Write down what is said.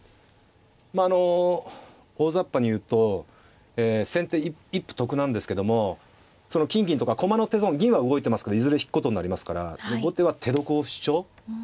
まああの大ざっぱに言うと先手一歩得なんですけども金銀とか駒の手損銀は動いてますけどいずれ引くことになりますから後手は手得を主張。